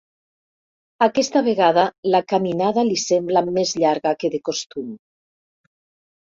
Aquesta vegada la caminada li sembla més llarga que de costum.